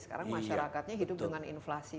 sekarang masyarakatnya hidup dengan inflasi